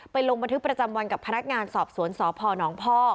ลงบันทึกประจำวันกับพนักงานสอบสวนสพนพ่อ